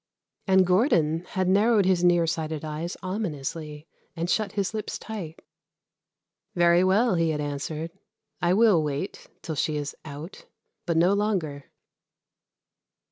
And Gordon had narrowed his near sighted eyes ominously and shut his lips tight. "Very well," he had answered, "I will wait till she is out but no longer."